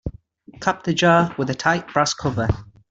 Cap the jar with a tight brass cover.